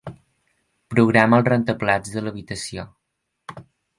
Programa el rentaplats de l'habitació.